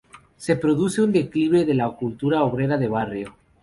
Se produce un declive de la cultura obrera de barrio.